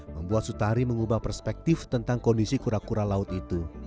membuat sutari mengubah perspektif tentang kondisi kura kura laut itu